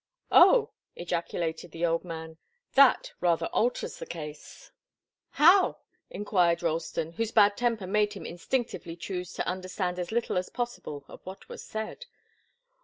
"Oh!" ejaculated the old man. "That rather alters the case." "How?" enquired Ralston, whose bad temper made him instinctively choose to understand as little as possible of what was said.